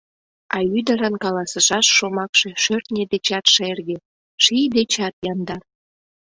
А ӱдырын каласышаш шомакше шӧртньӧ дечат шерге, ший дечат яндар!..